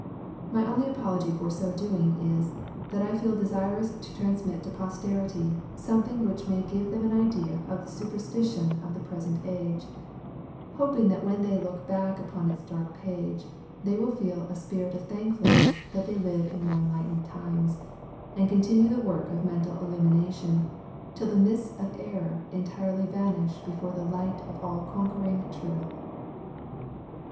My only apology for so doing is, that I feel desirous to transmit to posterity, something which may give them an idea of the superstition of the present age hoping that when they look back upon its dark page, they will feel a spirit of thankfulness that they live in more enlightened times, and continue the work of mental illumination, till the mists of error entirely vanish before the light of all conquering truth.